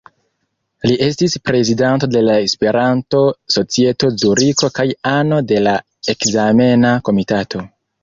Li estis prezidanto de la Esperanto-Societo Zuriko kaj ano de la ekzamena komitato.